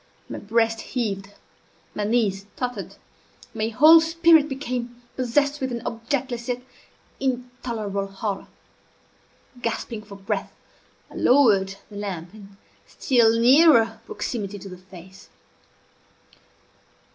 My breast heaved, my knees tottered, my whole spirit became possessed with an objectless yet intolerable horror. Gasping for breath, I lowered the lamp in still nearer proximity to the face.